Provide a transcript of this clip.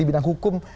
di bidang hukum